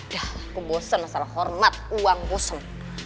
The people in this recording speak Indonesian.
dah aku bosen masalah hormat uang bosen